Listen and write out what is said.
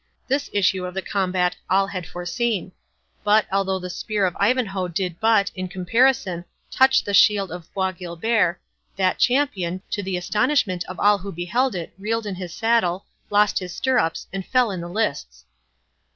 This issue of the combat all had foreseen; but although the spear of Ivanhoe did but, in comparison, touch the shield of Bois Guilbert, that champion, to the astonishment of all who beheld it reeled in his saddle, lost his stirrups, and fell in the lists.